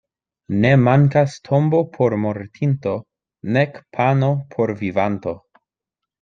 Ne mankas tombo por mortinto nek pano por vivanto.